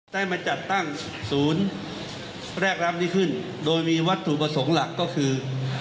ได้มาจัดตั้งศูนย์แรกรับนี้ขึ้นโดยมีวัตถุประสงค์หลักก็คือ